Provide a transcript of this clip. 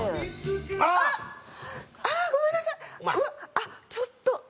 あっちょっとあっ。